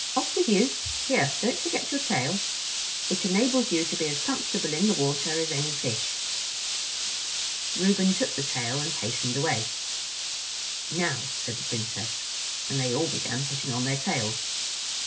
Off with you! Here, don't forget your tail. It enables you to be as comfortable in the water as any fish." Reuben took the tail and hastened away. "Now," said the Princess. And they all began putting on their tails.